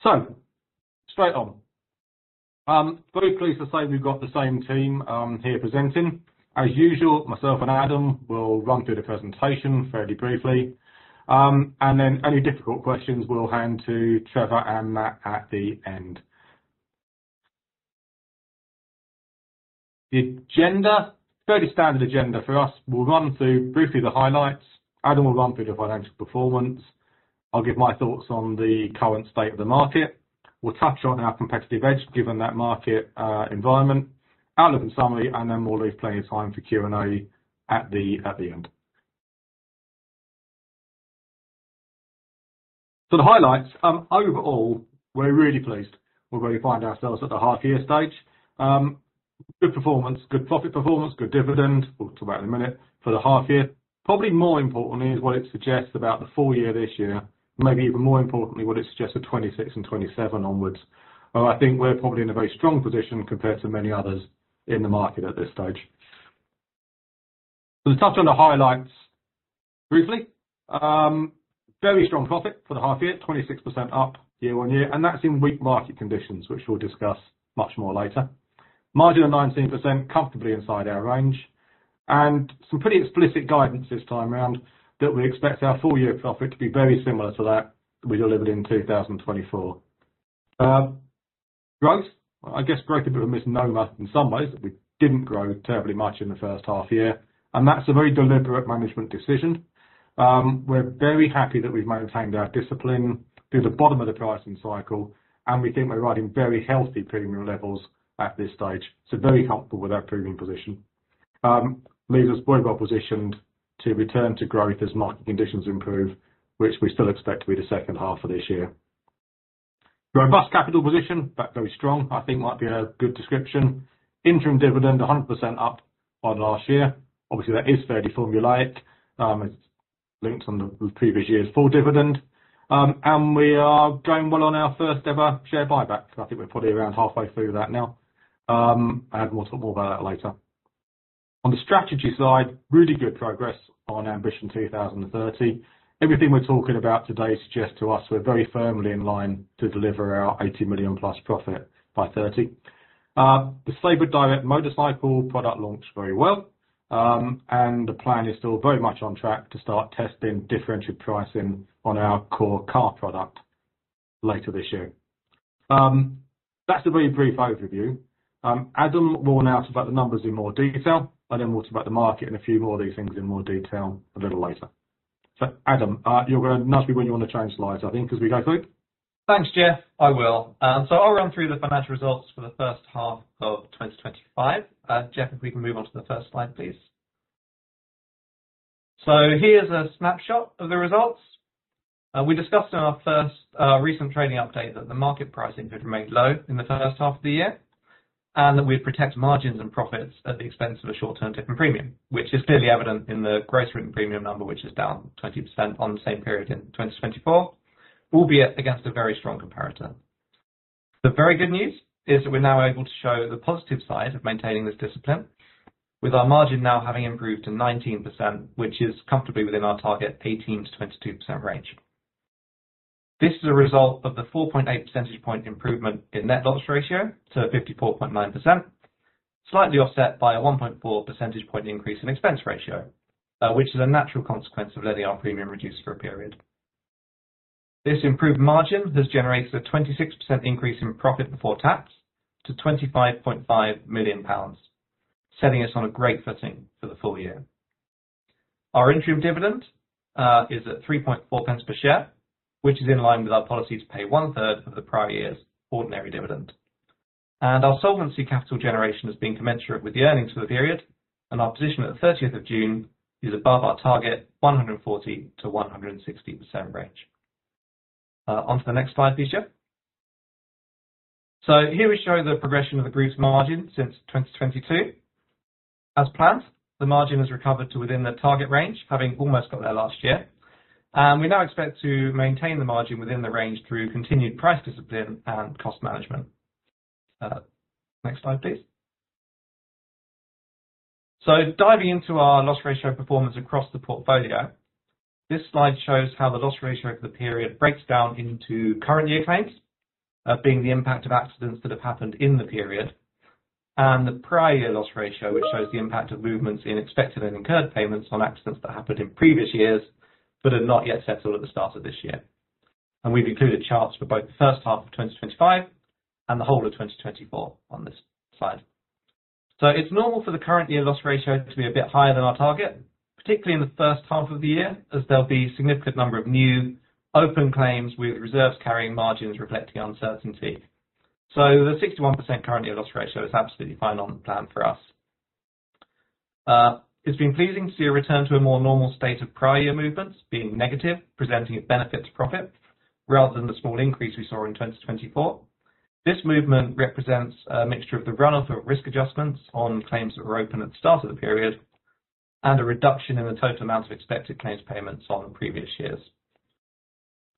Straight on. I'm very pleased to say we've got the same team here presenting. As usual, myself and Adam will run through the presentation fairly briefly, and any difficult questions we'll hand to Trevor and Matt at the end. The agenda is a fairly standard agenda for us. We'll run through briefly the highlights. Adam will run through the financial performance. I'll give my thoughts on the current state of the market. We'll touch on our competitive edge given that market environment. I'll look at the summary, and then we'll leave plenty of time for Q&A at the end. The highlights. Overall, we're really pleased. We're really finding ourselves at the half-year stage. Good performance, good profit performance, good dividend. We'll talk about it in a minute for the half-year. Probably more important is what it suggests about the full year this year, maybe even more importantly what it suggests for 2026 and 2027 onwards. I think we're probably in a very strong position compared to many others in the market at this stage. To touch on the highlights briefly, very strong profit for the half-year, 26% up year on year, and that's in weak market conditions, which we'll discuss much more later. Margin of 19%, comfortably inside our range, and some pretty explicit guidance this time around that we expect our full-year profit to be very similar to that we delivered in 2024. Growth, I guess growth is a bit of a misnomer in some ways that we didn't grow terribly much in the first half-year, and that's a very deliberate management decision. We're very happy that we've maintained our discipline through the bottom of the pricing cycle, and we think we're writing very healthy premium levels at this stage. Very comfortable with our premium position. Leaves us very well-positioned to return to growth as market conditions improve, which we still expect to be the second half of this year. Robust capital position, but very strong, I think might be a good description. Interim dividend 100% up on last year. Obviously, that is fairly formulaic. It's linked on the previous year's full dividend, and we are going well on our first ever share buyback. I think we're probably around halfway through that now. I had more to talk more about that later. On the strategy side, really good progress on Ambition 2030. Everything we're talking about today suggests to us we're very firmly in line to deliver our 80+ million profit by 2030. The Sabre Direct motorcycle product launched very well. The plan is still very much on track to start testing differentiated pricing on our core car product later this year. That's a very brief overview. Adam will now talk about the numbers in more detail. I then will talk about the market and a few more of these things in more detail a little later. Adam, you're going to nudge me when you want to change slides, I think, as we go through. Thanks, Geoff. I will. I'll run through the financial results for the first half of 2025. Geoff, if we can move on to the first slide, please. Here's a snapshot of the results. We discussed in our first recent trading update that the market pricing could remain low in the first half of the year and that we'd protect margins and profits at the expense of a short-term dip in premium, which is clearly evident in the gross written premium number, which is down 20% on the same period in 2024, albeit against a very strong comparison. The very good news is that we're now able to show the positive side of maintaining this discipline with our margin now having improved to 19%, which is comfortably within our target 18%-22% range. This is a result of the 4.8 percentage point improvement in net loss ratio to 54.9%, slightly offset by a 1.4 percentage point increase in expense ratio, which is a natural consequence of letting our premium reduce for a period. This improved margin has generated a 26% increase in profit before tax to 25.5 million pounds, setting us on a great footing for the full year. Our interim dividend is at 3.4 per share, which is in line with our policy to pay 1/3 of the prior year's ordinary dividend. Our solvency capital generation has been commensurate with the earnings for the period, and our position at the 30th of June is above our target 140%-160% range. On to the next slide, please, Geoff. Here we show the progression of the group's margin since 2022. As planned, the margin has recovered to within the target range, having almost got there last year. We now expect to maintain the margin within the range through continued price discipline and cost management. Next slide, please. Diving into our loss ratio performance across the portfolio, this slide shows how the loss ratio for the period breaks down into current year claims, being the impact of accidents that have happened in the period, and the prior year loss ratio, which shows the impact of movements in expected and incurred payments on accidents that happened in previous years but are not yet settled at the start of this year. We've included charts for both the first half of 2025 and the whole of 2024 on this slide. It's normal for the current year loss ratio to be a bit higher than our target, particularly in the first half of the year, as there'll be a significant number of new open claims with reserves carrying margins reflecting uncertainty. The 61% current year loss ratio is absolutely fine on the plan for us. It's been pleasing to see a return to a more normal state of prior year movements, being negative, presenting its benefits profit rather than the small increase we saw in 2024. This movement represents a mixture of the runoff of risk adjustments on claims that were open at the start of the period and a reduction in the total amount of expected claims payments on previous years.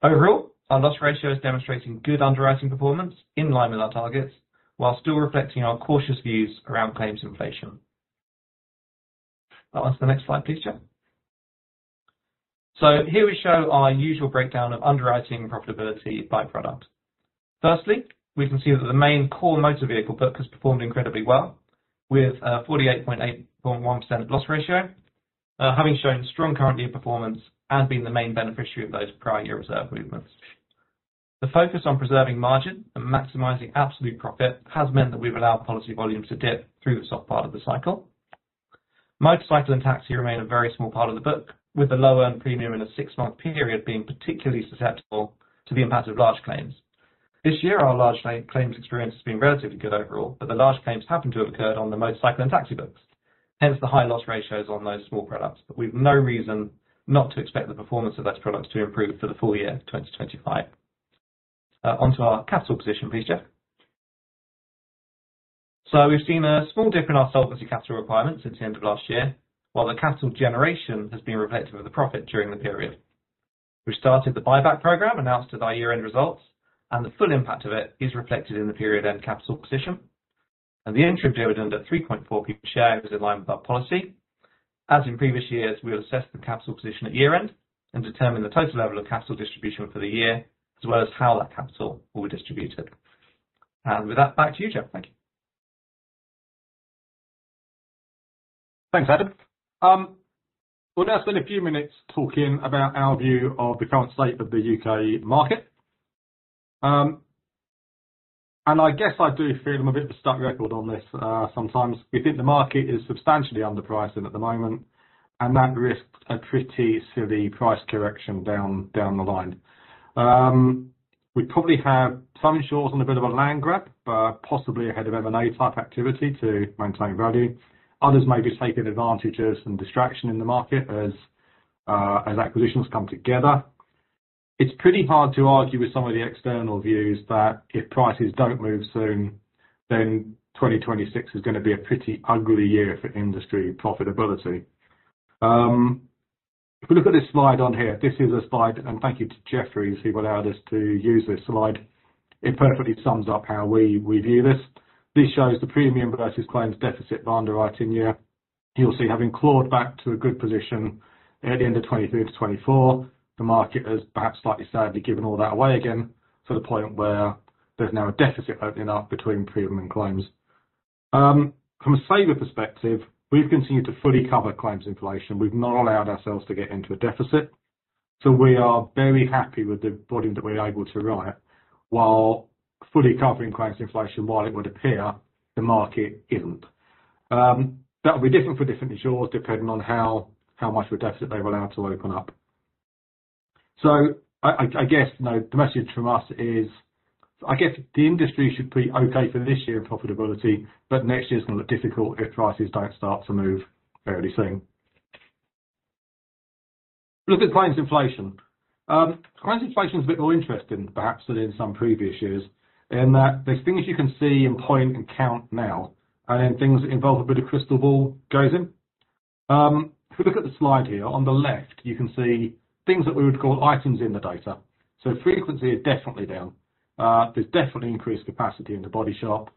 Overall, our loss ratio is demonstrating good underwriting performance in line with our targets, while still reflecting our cautious views around claims inflation. On to the next slide, please, Geoff. Here we show our usual breakdown of underwriting profitability by product. Firstly, we can see that the main core car product has performed incredibly well with a 48.81% loss ratio, having shown strong current year performance and being the main beneficiary of those prior year reserve movements. The focus on preserving margin and maximizing absolute profit has meant that we've allowed policy volumes to dip through the soft part of the cycle. Motorcycle and taxi remain a very small part of the book, with the low earned premium in a six-month period being particularly susceptible to the impact of large claims. This year, our large claims experience has been relatively good overall, but the large claims happen to have occurred on the motorcycle and taxi books. Hence, the high loss ratios on those small products, but we've no reason not to expect the performance of those products to improve for the full year of 2025. On to our capital position, please, Geoff. We've seen a small dip in our solvency capital requirements since the end of last year, while the capital generation has been reflective of the profit during the period. We started the buyback program, announced at our year-end results, and the full impact of it is reflected in the period-end capital position. The interim dividend at 0.034 per share is in line with our policy. As in previous years, we will assess the capital position at year-end and determine the total level of capital distribution for the year, as well as how that capital will be distributed. With that, back to you, Geoff. Thank you. Thanks, Adam. We'll now spend a few minutes talking about our view of the current state of the U.K. market. I guess I do feel I'm a bit of a stuck record on this sometimes. We think the market is substantially underpriced at the moment, and that risks a pretty silly price correction down the line. We probably have some insurers on a bit of a land grab, possibly ahead of M&A type activity to maintain value. Others may just take advantage of some distraction in the market as acquisitions come together. It's pretty hard to argue with some of the external views that if prices don't move soon, then 2026 is going to be a pretty ugly year for industry profitability. If we look at this slide on here, this is a slide, and thank you to Geoffrey as he allowed us to use this slide. It perfectly sums up how we view this. This shows the premium versus claims deficit by underwriting year. You'll see, having clawed back to a good position at the end of 2023-2024, the market has perhaps slightly sadly given all that away again to the point where there's now a deficit opening up between premium and claims. From a Sabre perspective, we've continued to fully cover claims inflation. We've not allowed ourselves to get into a deficit. We are very happy with the volume that we're able to write while fully covering claims inflation while it would appear the market isn't. That'll be different for different insurers depending on how much of a deficit they've allowed to open up. I guess the message from us is the industry should be okay for this year in profitability, but next year's going to look difficult if prices don't start to move fairly soon. Look at claims inflation. Claims inflation is a bit more interesting perhaps than in some previous years in that there's things you can see in point and count now, and then things involved with a bit of crystal ball goes in. If we look at the slide here on the left, you can see things that we would call items in the data. Frequency is definitely down. There's definitely increased capacity in the body shop.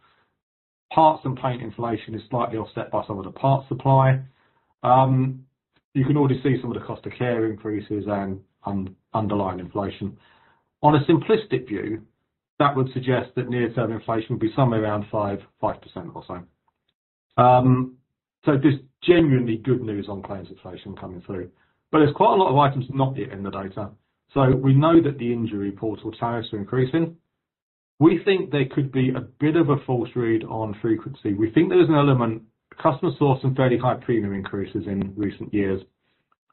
Parts and paint inflation is slightly offset by some of the parts supply. You can already see some of the cost of care increases and underlying inflation. On a simplistic view, that would suggest that near-term inflation would be somewhere around 5% or so. There's genuinely good news on claims inflation coming through. There's quite a lot of items not yet in the data. We know that the injury portal tariffs are increasing. We think there could be a bit of a false read on frequency. We think there's an element customer source and fairly high premium increases in recent years.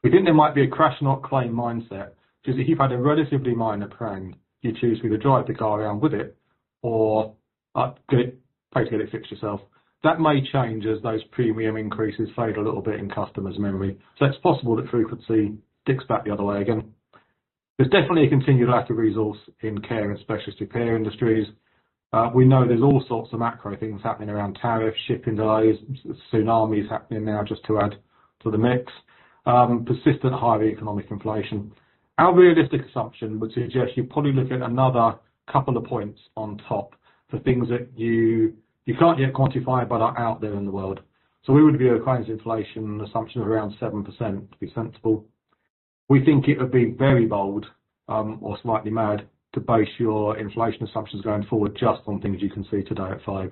We think there might be a crash-and-rock claim mindset, because if you've had a relatively minor prang, you choose to either drive the car around with it or pay to get it fixed yourself. That may change as those premium increases fade a little bit in customers' memory. It's possible that frequency dips back the other way again. There's definitely a continued lack of resource in care and specialist care industries. We know there's all sorts of macro things happening around tariffs, shipping delays, tsunamis happening now, just to add to the mix, persistent highly economic inflation. Our realistic assumption would suggest you probably look at another couple of points on top for things that you can't yet quantify, but are out there in the world. We would view a claims inflation assumption of around 7% to be sensible. We think it would be very bold or slightly mad to boost your inflation assumptions going forward just on things you can see today at 5%.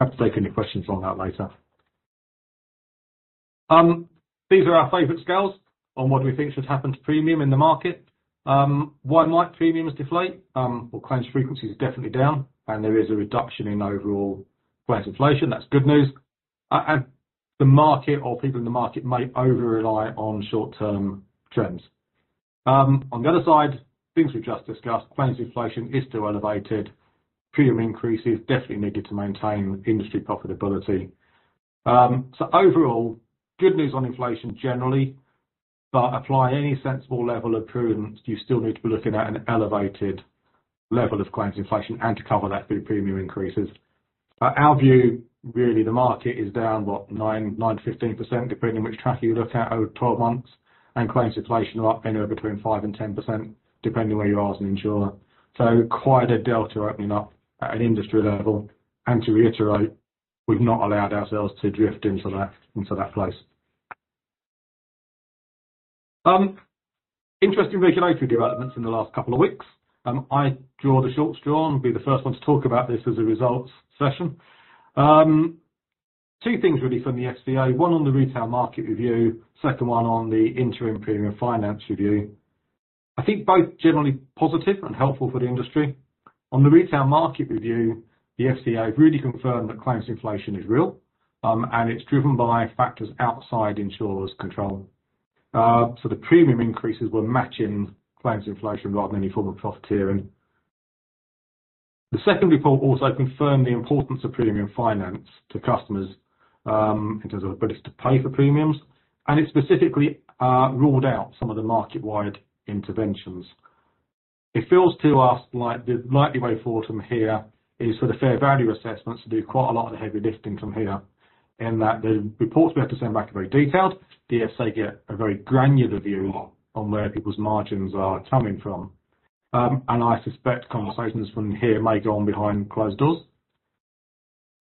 Happy to take any questions on that later. These are our favorite scales on what we think should happen to premium in the market. One might, premiums deflate, or claims frequency is definitely down, and there is a reduction in overall claims inflation. That's good news. The market or people in the market may over-rely on short-term trends. On the other side, things we've just discussed, claims inflation is still elevated. Premium increases definitely needed to maintain industry profitability. Overall, good news on inflation generally, but apply any sensible level of prudence. You still need to be looking at an elevated level of claims inflation and to cover that through premium increases. Our view, really, the market is down, what, 9%-15% depending on which track you look at over 12 months, and claims inflation are up anywhere between 5% and 10% depending on where you are as an insurer. Quite a delta opening up at an industry level, and to reiterate, we've not allowed ourselves to drift into that place. Interesting regulatory developments in the last couple of weeks. I draw the short straw and be the first one to talk about this as a results session. Two things really from the FCA. One on the retail market review, second one on the interim premium finance review. I think both generally positive and helpful for the industry. On the retail market review, the FCA really confirmed that claims inflation is real, and it's driven by factors outside insurers' control. The premium increases were matching claims inflation rather than any form of profiteering. The second report also confirmed the importance of premium finance to customers in terms of ability to pay for premiums, and it specifically ruled out some of the market-wide interventions. It feels to us like the likely way forward from here is for the fair value assessments to do quite a lot of the heavy lifting from here, in that the reports we have to send back are very detailed. The FCA gets a very granular view on where people's margins are coming from, and I suspect conversations from here may go on behind closed doors.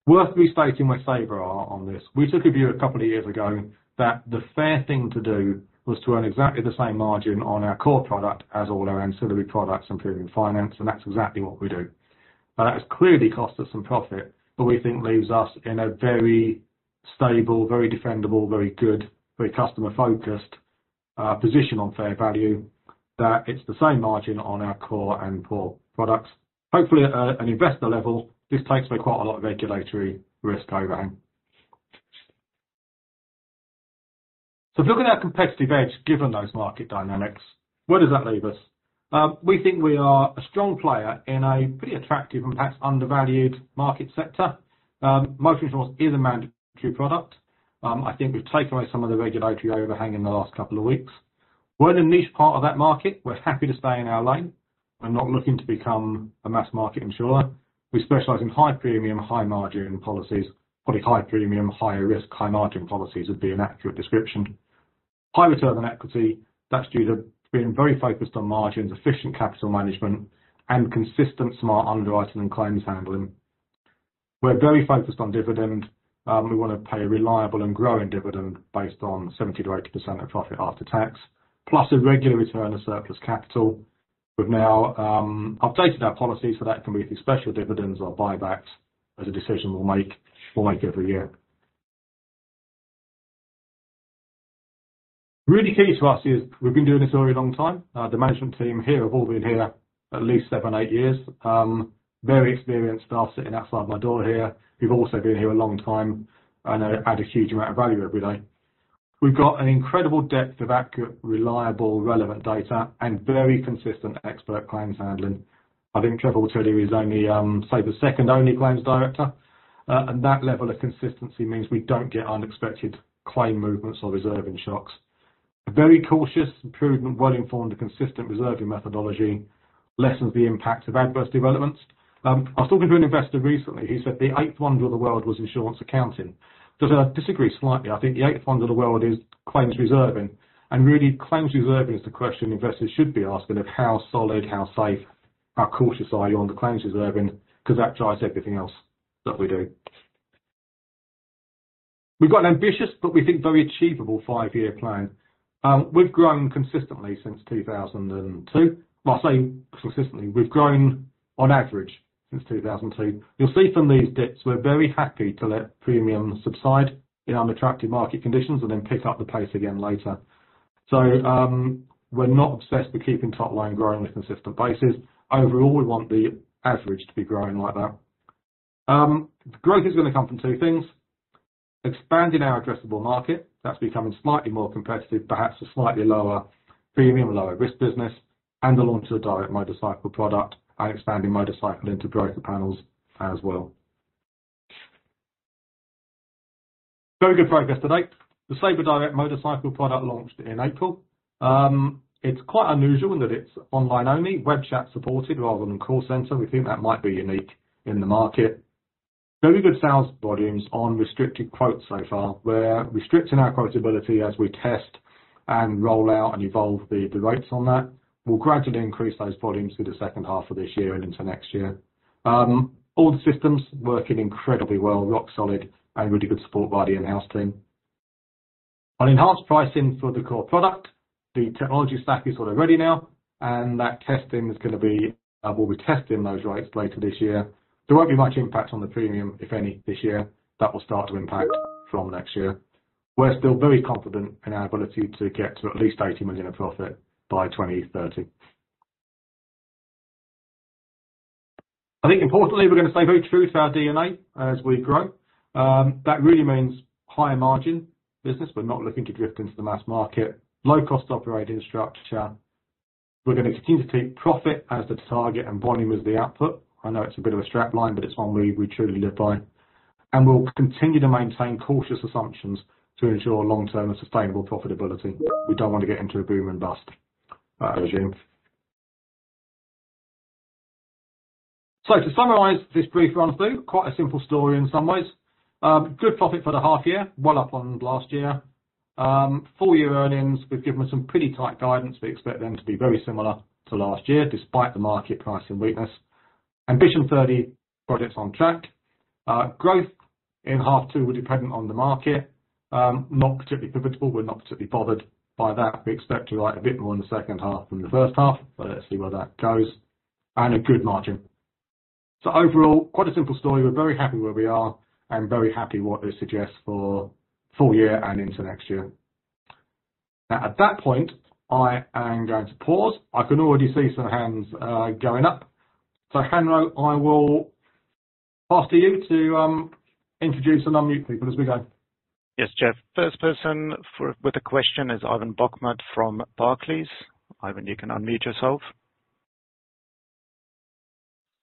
Worth restating where Sabre are on this. We took a view a couple of years ago that the fair thing to do was to earn exactly the same margin on our core product as all our ancillary products and premium finance, and that's exactly what we do. That has clearly cost us some profit, but we think leaves us in a very stable, very defendable, very good, very customer-focused position on fair value that it's the same margin on our core and core products. Hopefully, at an investor level, this takes away quite a lot of regulatory risk overhang. If we're looking at our competitive edge given those market dynamics, where does that leave us? We think we are a strong player in a pretty attractive and perhaps undervalued market sector. Motor insurance is a mandatory product. I think we've taken away some of the regulatory overhang in the last couple of weeks. We're in a niche part of that market. We're happy to stay in our lane. We're not looking to become a mass market insurer. We specialize in high premium, high margin policies. Probably high premium, higher risk, high margin policies would be an accurate description. High return on equity. That's due to being very focused on margins, efficient capital management, and consistent smart underwriting and claims handling. We're very focused on dividend. We want to pay a reliable and growing dividend based on 70%-80% of profit after tax, plus a regular return of surplus capital. We've now updated our policies so that it can be through special dividends or buybacks as a decision we'll make every year. Really key to us is we've been doing this a very long time. The management team here have all been here at least seven, eight years. Very experienced staff sitting outside my door here. You've also been here a long time and add a huge amount of value every day. We've got an incredible depth of accurate, reliable, relevant data and very consistent expert claims handling. I think Trevor Webb is only, say, the second only Claims Director. That level of consistency means we don't get unexpected claim movements or reserving shocks. A very cautious, prudent, well-informed, and consistent reserving methodology lessens the impact of adverse developments. I was talking to an investor recently. He said the eighth wonder of the world was insurance accounting. I disagree slightly. I think the eighth wonder of the world is claims reserving. Claims reserving is the question investors should be asking of how solid, how safe, how cautious are you on the claims reserving because that drives everything else that we do. We've got an ambitious but we think very achievable five-year plan. We've grown consistently since 2002. I say consistently. We've grown on average since 2002. You'll see from these dips, we're very happy to let premium subside in unattractive market conditions and then pick up the pace again later. We're not obsessed with keeping top line growing with consistent bases. Overall, we want the average to be growing like that. Growth is going to come from two things. Expanding our addressable market, that's becoming slightly more competitive, perhaps a slightly lower premium, lower risk business, and the launch of the direct motorcycle product and expanding motorcycle integrated panels as well. Very good progress to date. The Sabre Direct motorcycle product launched in April. It's quite unusual in that it's online only, web chat supported rather than call center. We think that might be unique in the market. Very good sales volumes on restricted products so far. We're restricting our profitability as we test and roll out and evolve the routes on that. We'll gradually increase those volumes through the second half of this year and into next year. All the systems working incredibly well, rock solid, and really good support by the in-house team. On in-house pricing for the core product, the technology stack is sort of ready now, and that testing is going to be, we'll be testing those rates later this year. There won't be much impact on the premium, if any, this year. That will start to impact from next year. We're still very confident in our ability to get to at least 80 million in profit by 2030. I think importantly, we're going to stay very true to our DNA as we grow. That really means higher margin business. We're not looking to drift into the mass market. Low cost operating structure. We're going to continue to take profit as the target and volume as the output. I know it's a bit of a strap line, but it's one we truly live by. We'll continue to maintain cautious assumptions to ensure long-term and sustainable profitability. We don't want to get into a boom and bust, I assume. To summarize this brief run-through, quite a simple story in some ways. Good profit for the half-year, well up on last year. Full-year earnings, we've given some pretty tight guidance. We expect them to be very similar to last year, despite the market price and weakness. Ambition 2030, projects on track. Growth in half two will depend on the market. Not particularly pivotal. We're not particularly bothered by that. We expect to write a bit more in the second half than the first half, but let's see where that goes. A good margin. Overall, quite a simple story. We're very happy where we are and very happy what it suggests for full year and into next year. At that point, I am going to pause. I can already see some hands going up. [Hanrow], I will pass to you to introduce and unmute people as we go. Yes, Geoff. First person with a question is Ivan Bokhmat from Barclays. Ivan, you can unmute yourself.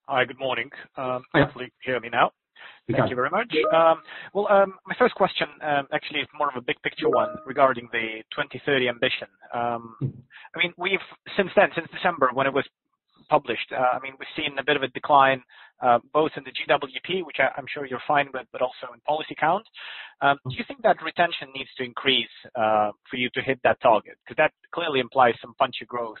Hi, good morning. I hope you can hear me now. Thank you very much. My first question actually is more of a big picture one regarding the Ambition 2030. Since then, since December when it was published, we've seen a bit of a decline both in the GWP, which I'm sure you're fine with, but also in policy count. Do you think that retention needs to increase for you to hit that target? That clearly implies some punchy growth.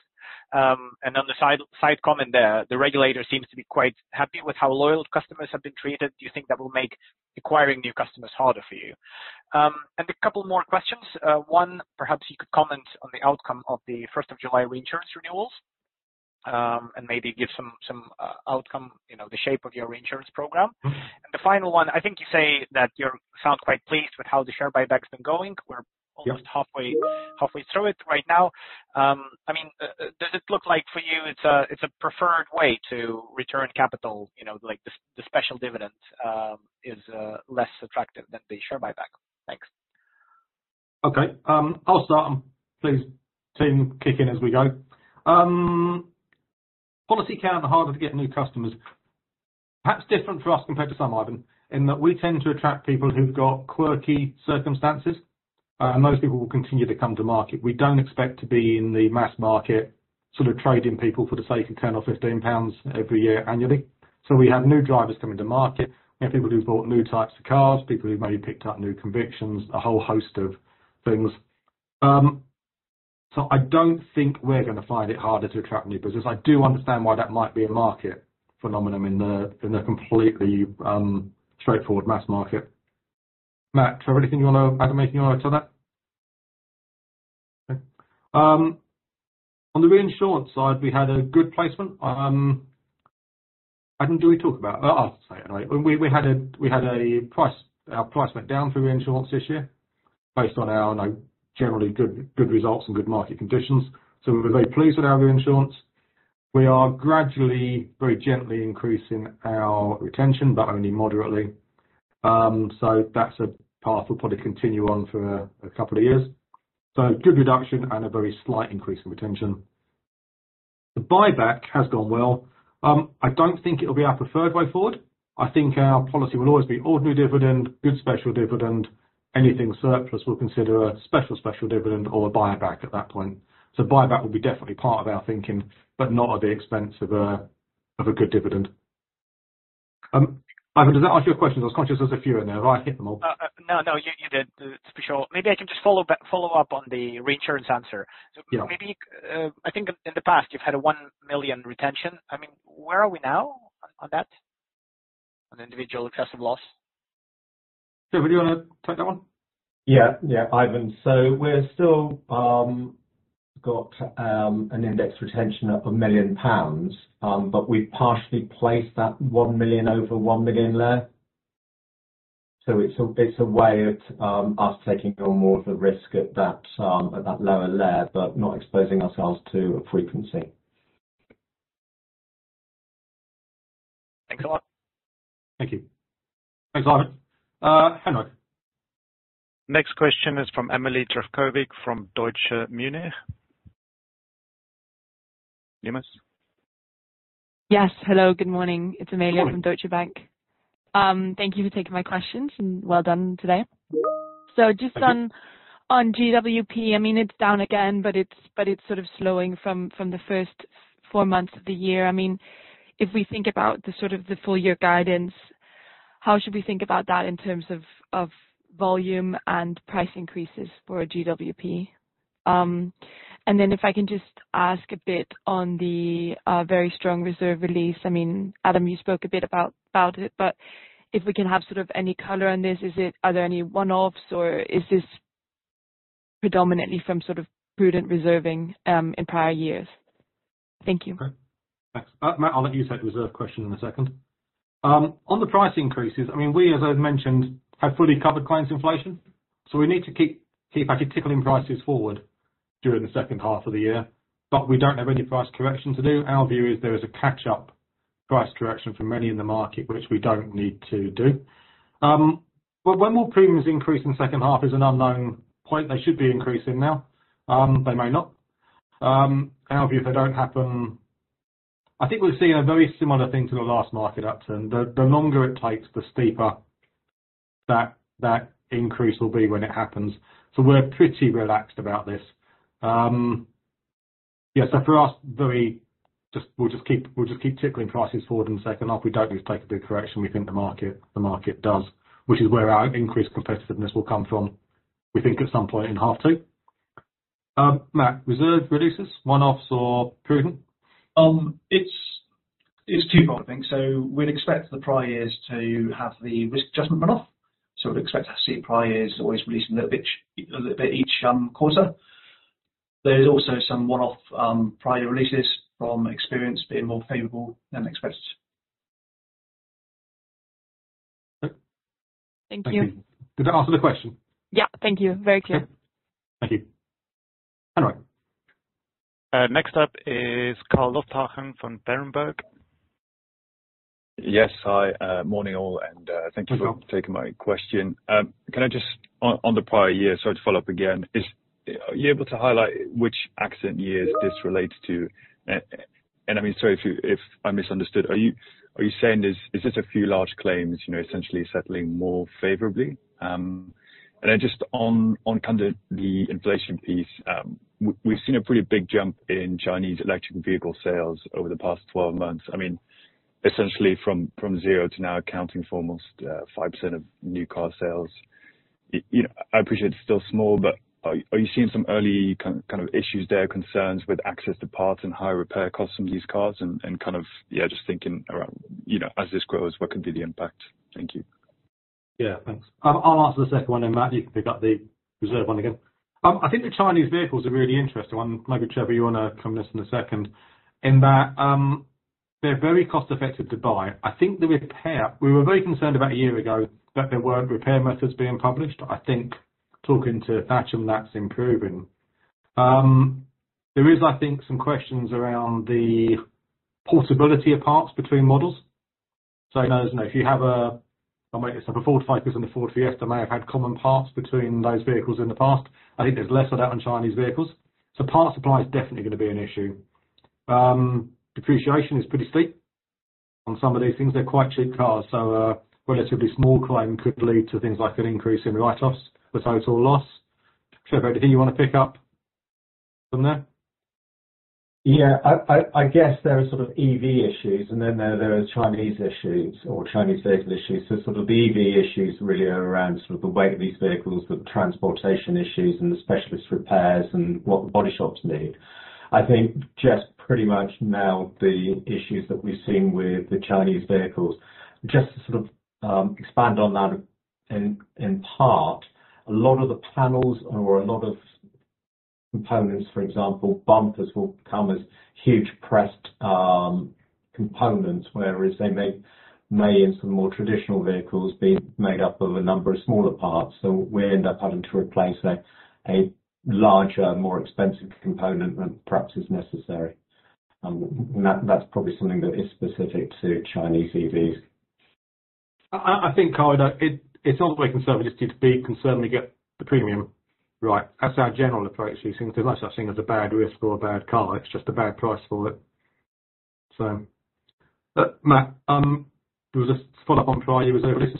On the side comment there, the regulator seems to be quite happy with how loyal customers have been treated. Do you think that will make acquiring new customers harder for you? A couple more questions. One, perhaps you could comment on the outcome of the July 1 reinsurance renewals and maybe give some outcome, you know, the shape of your reinsurance program. The final one, I think you say that you sound quite pleased with how the share buyback's been going. We're almost halfway through it right now. Does it look like for you it's a preferred way to return capital? You know, like the special dividend is less attractive than the share buyback. Thanks. Okay. I'll start. Please team, kick in as we go. Policy count and harder to get new customers. That's different for us compared to some, Ivan, in that we tend to attract people who've got quirky circumstances. Those people will continue to come to market. We don't expect to be in the mass market sort of trading people for the sake of 10 or 15 pounds every year annually. We have new drivers coming to market. We have people who've bought new types of cars, people who maybe picked up new convictions, a whole host of things. I don't think we're going to find it harder to attract new business. I do understand why that might be a market phenomenon in the completely straightforward mass market. Matt, is there anything you want to add to that? On the reinsurance side, we had a good placement. I don't know. Do we talk about it? I'll say it anyway. We had a price. Our price went down for reinsurance this year based on our generally good results and good market conditions. We were very pleased with our reinsurance. We are gradually, very gently increasing our retention, but only moderately. That's a path we'll probably continue on for a couple of years. A good reduction and a very slight increase in retention. The buyback has gone well. I don't think it'll be our preferred way forward. I think our policy will always be ordinary dividend, good special dividend. Anything surplus, we'll consider a special special dividend or a buyback at that point. Buyback will be definitely part of our thinking, but not at the expense of a good dividend. Ivan, does that answer your question? I was conscious there's a few in there, but I hit them all. No, you did, to be sure. Maybe I can just follow up on the reinsurance answer. I think in the past you've had a 1 million retention. Where are we now on that? An individual excessive loss. Trevor, would you want to take that one? Yeah, Ivan. We've still got an index retention of 1 million pounds, but we partially placed that 1 million over 1 million layer. It's a way of us taking on more of the risk at that lower layer, but not exposing ourselves to a frequency. Thanks a lot. Thanks, Ivan. Next question is from Amalie Zdravkovic from Deutsche [Mühle]. Yes, hello, good morning. It's Amalie from Deutsche Bank. Thank you for taking my questions and well done today. Just on GWP, I mean, it's down again, but it's sort of slowing from the first four months of the year. If we think about the sort of the full year guidance, how should we think about that in terms of volume and price increases for GWP? If I can just ask a bit on the very strong reserve release. Adam, you spoke a bit about it, but if we can have sort of any color on this, are there any one-offs or is this predominantly from sort of prudent reserving in prior years? Thank you. Thanks. I'll let you take the reserve question in a second. On the price increases, I mean, we, as I mentioned, have fully covered claims inflation. We need to keep articulating prices forward during the second half of the year, but we don't have any price correction to do. Our view is there is a catch-up price correction for many in the market, which we don't need to do. When premiums will increase in the second half is an unknown point. They should be increasing now. They may not. Our view, if they don't happen, I think we'll see a very similar thing to the last market upturn. The longer it takes, the steeper that increase will be when it happens. We're pretty relaxed about this. For us, we'll just keep tickling prices forward in the second half. We don't expect a big correction. We think the market does, which is where our increased competitiveness will come from. We think at some point in half two. Matt, reserve reduces, one-offs or prudent? It's twofold, I think. We'd expect the prior years to have the risk adjustment run-off. We'd expect to see prior years always release a little bit each quarter. There is also some one-off prior releases from experience being more favorable than expected. Thank you. Did that answer the question? Yeah, thank you. Very clear. Thank you. Next up is Carl Lofthagen from Berenberg. Yes, hi, morning all, and thank you for taking my question. On the prior year, sorry to follow up again, are you able to highlight which accident years this relates to? I mean, sorry if I misunderstood. Are you saying there's, is this a few large claims, you know, essentially settling more favorably? On the inflation piece, we've seen a pretty big jump in Chinese electric vehicle sales over the past 12 months. Essentially from zero to now accounting for almost 5% of new car sales. I appreciate it's still small, but are you seeing some early kind of issues there, concerns with access to parts and higher repair costs from these cars? Just thinking around, as this grows, what could be the impact? Thank you. Yeah, thanks. I'll answer the second one and Matt, you can pick up the reserve one again. I think the Chinese vehicles are really interesting. I'm not sure if you want to come listen in a second in that they're very cost-effective to buy. I think the repair, we were very concerned about a year ago that there weren't repair methods being published. Talking to that and that's improving. There is, I think, some questions around the possibility of parts between models. I know if you have a, so the Ford Focus and the Ford Fiesta, they may have had common parts between those vehicles in the past. I think there's less of that on Chinese vehicles. Parts supply is definitely going to be an issue. Depreciation is pretty steep on some of these things. They're quite cheap cars. A relatively small claim could lead to things like an increase in write-offs for total loss. Trevor, anything you want to pick up from there? I guess there are sort of EV issues and then there are Chinese issues or Chinese vehicle issues. The EV issues really are around the weight of these vehicles, the transportation issues, and the specialist repairs and what the body shops need. I think pretty much now the issues that we've seen with the Chinese vehicles, just to expand on that in part, a lot of the panels or a lot of components, for example, bumpers, will come as huge pressed components, whereas they may, in some more traditional vehicles, be made up of a number of smaller parts. We end up having to replace a larger, more expensive component than perhaps is necessary. That's probably something that is specific to Chinese EVs. I think, Carl, it sounds like conservatism needs to be concerned when we get the premium. Right. That's our general approach. As much as I've seen it's a bad risk for a bad car, it's just a bad price for it. Matt, we'll just follow up on prior year reserve release.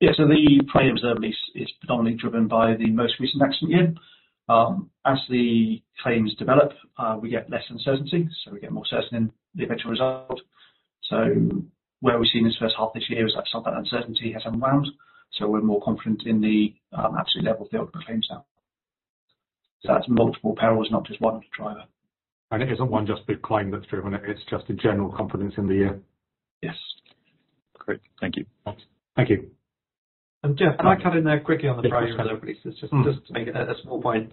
The prior year reserve release is predominantly driven by the most recent action here. As the claims develop, we get less uncertainty, so we get more certain in the eventual result. Where we've seen in the first half this year is that some of that uncertainty has unwound. We're more confident in the absolute level of the ultimate claims now. That's multiple perils, not just one driver. It isn't one just big claim that's driven it. It's just a general confidence in the year. Great. Thank you. Geoff, I'd like to add in there quickly on the prior year reserve release. It's just a small point.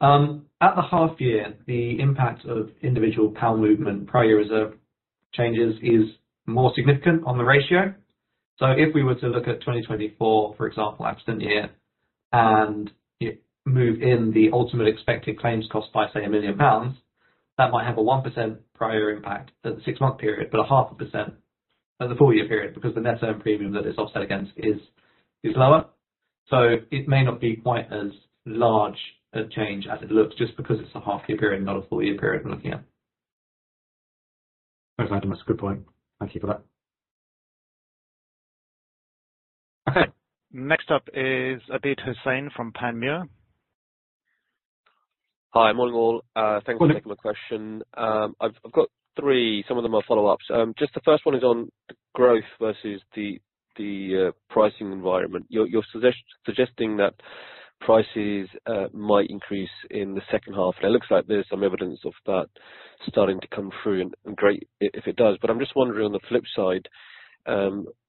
At the half year, the impact of individual pound movement prior year reserve changes is more significant on the ratio. If we were to look at 2024, for example, absent year, and you move in the ultimate expected claims cost by, say, 1 million pounds, that might have a 1% prior year impact at the six-month period, but a 0.5% at the full-year period because the net earned premium that it's offset against is lower. It may not be quite as large a change as it looks just because it's a half-year period and not a full-year period we're looking at. Thanks, Adam. That's a good point. Thank you for that. Okay. Next up is Abid Hussain from Panmure. Hi, morning all. Thanks for the question. I've got three. Some of them are follow-ups. The first one is on growth versus the pricing environment. You're suggesting that prices might increase in the second half, and it looks like there's some evidence of that starting to come through. Great if it does. I'm just wondering, on the flip side,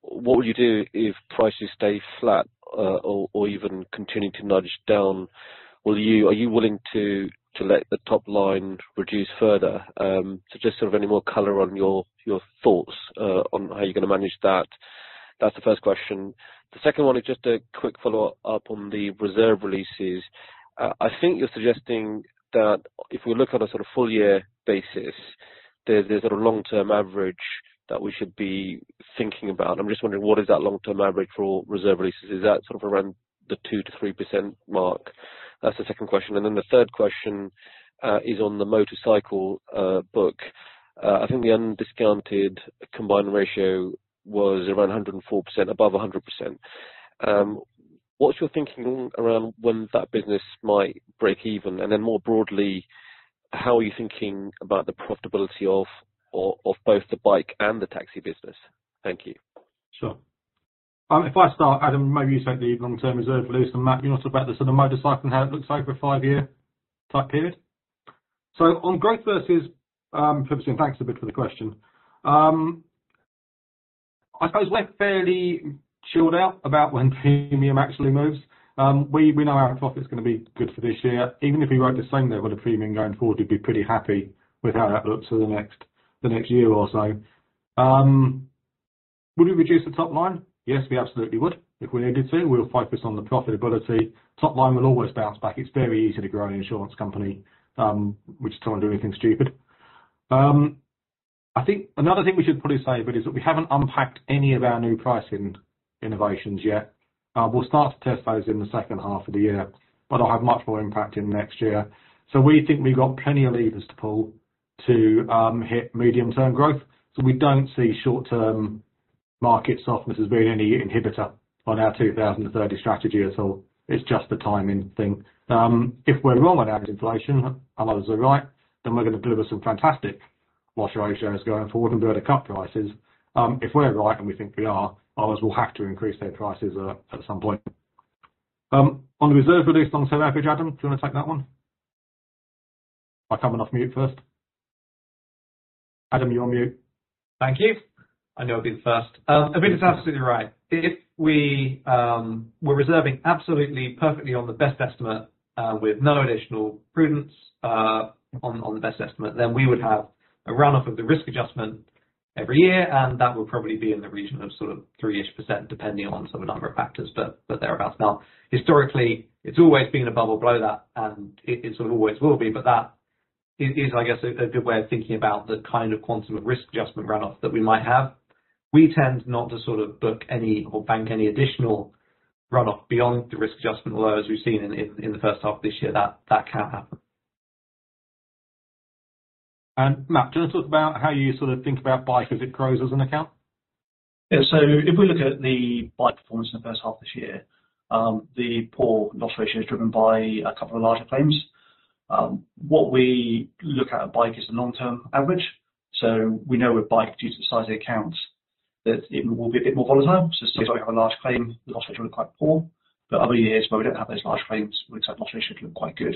what would you do if prices stay flat or even continue to nudge down? Are you willing to let the top line reduce further? Any more color on your thoughts on how you're going to manage that. That's the first question. The second one is a quick follow-up on the reserve releases. I think you're suggesting that if we look at a full-year basis, there's a long-term average that we should be thinking about. I'm just wondering, what is that long-term average for all reserve releases? Is that around the 2%-3% mark? That's the second question. The third question is on the motorcycle book. I think the undiscounted combined ratio was around 104%, above 100%. What's your thinking around when that business might break even? More broadly, how are you thinking about the profitability of both the bike and the taxi business? Thank you. Sure. If I start, Adam, maybe you sent the long-term reserve release, and Matt, you want to talk about the sort of motorcycle and how it looks like for a five-year type period? On growth versus purchasing, thanks a bit for the question. I suppose we're fairly chilled out about when premium actually moves. We know our profit is going to be good for this year. Even if we wrote the same level of premium going forward, we'd be pretty happy with how that looks for the next year or so. Would we reduce the top line? Yes, we absolutely would. If we needed to, we'll focus on the profitability. Top line will always bounce back. It's very easy to grow an insurance company. We just don't want to do anything stupid. I think another thing we should probably say a bit is that we haven't unpacked any of our new pricing innovations yet. We'll start to test those in the second half of the year, but they'll have much more impact in the next year. We think we've got plenty of levers to pull to hit medium-term growth. We don't see short-term market softness as being any inhibitor on our 2030 strategy at all. It's just the timing thing. If we're the wrong one, that is inflation, and others are right, then we're going to deliver some fantastic fluctuations going forward and be able to cut prices. If we're right, and we think we are, others will have to increase their prices at some point. On the reserve release long-term average, Adam, do you want to take that one? I'll come off mute first. Adam, you're on mute. Thank you. I know I'll be the first. Abid is absolutely right. If we were reserving absolutely perfectly on the best estimate with no additional prudence on the best estimate, then we would have a run-off of the risk adjustment every year, and that would probably be in the region of sort of 3% depending on some of the other factors, but thereabouts now. Historically, it's always been above or below that, and it sort of always will be, but that is, I guess, a good way of thinking about the kind of quantum of risk adjustment run-off that we might have. We tend not to sort of book any or bank any additional run-off beyond the risk adjustment, although as we've seen in the first half of this year, that can't happen. Matt, do you want to talk about how you sort of think about bike as it grows as an account? Yeah. If we look at the bike performance in the first half of this year, the poor loss ratio is driven by a couple of larger claims. What we look at at bike is the long-term average. We know with bike, due to the size of the accounts, that it will be a bit more volatile. If we have a large claim, loss rate will be quite poor. Other years where we don't have those large claims, we expect loss ratios to be quite good.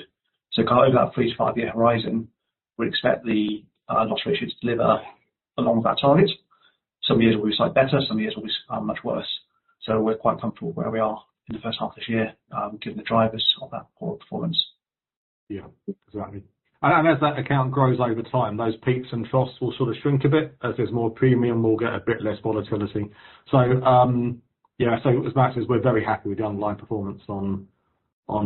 Over that three to five-year horizon, we expect the loss ratios to deliver along that target. Some years will be slightly better, some years will be much worse. We're quite comfortable where we are in the first half of this year, given the drivers of that poor performance. Yeah, exactly. As that account grows over time, those peaks and troughs will sort of shrink a bit. As there's more premium, we'll get a bit less volatility. As Matt says, we're very happy with the underlying performance on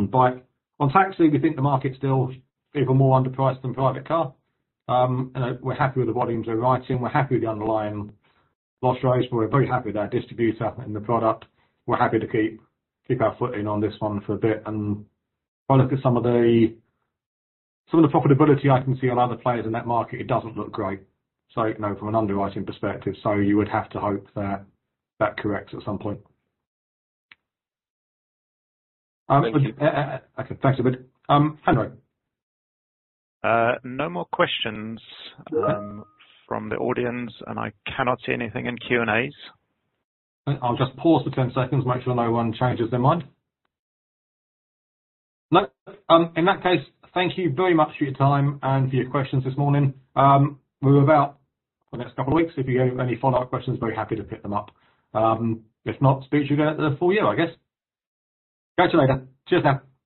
bike. On taxi, we think the market's still even more underpriced than private car. We're happy with the volumes we're writing. We're happy with the underlying loss rates. We're very happy with our distributor and the product. We're happy to keep our footing on this one for a bit. If I look at some of the profitability I can see on other players in that market, it doesn't look great from an underwriting perspective, so you would have to hope that that corrects at some point. Thank you. Thanks, Abid. Hanrow. No more questions from the audience, and I cannot see anything in Q&As. I'll just pause for 10 seconds and make sure no one changes their mind. No, in that case, thank you very much for your time and for your questions this morning. Over the next couple of weeks, if you have any follow-up questions, very happy to pick them up. If not, speak to you again at the full year, I guess. Catch you later. Cheers now. Bye.